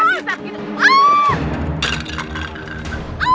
ini tas mahal